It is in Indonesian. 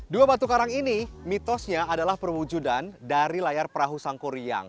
dua batu karang ini mitosnya adalah permujudan dari layar perahu sangko riang